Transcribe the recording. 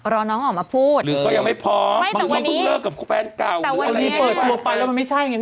สงสัย